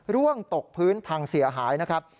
ร่วงตกพื้นพังเสียหายนะครับ